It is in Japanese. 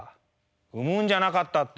「生むんじゃなかった」って。